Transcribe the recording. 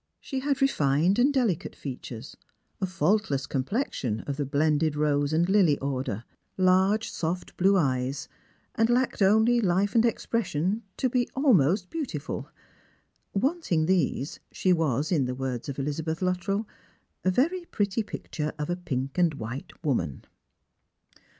She had refined and delicate fea tures, a faiiltless complexion of the blended rose and lily order, large soft blue eyes, and lacked only life and expression to be Rlmost beautiful. Wanting these, she was, in the words of Elizabeth Luttrell, a very pretty picture of a pink and white woman.